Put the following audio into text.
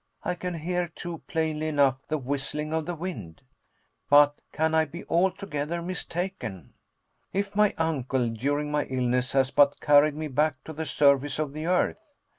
I can hear, too, plainly enough, the whistling of the wind. But can I be altogether mistaken? If my uncle, during my illness, has but carried me back to the surface of the earth!